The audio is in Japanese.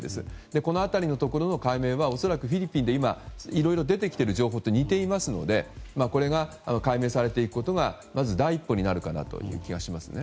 この辺りのところの解明は恐らく、フィリピンでいろいろ出てきている情報と似ていますのでこれが解明されていくことがまず第一歩になる気がしますね。